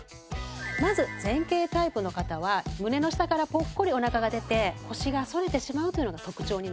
まず前傾タイプの方は胸の下からポッコリお腹が出て腰が反れてしまうというのが特徴になります。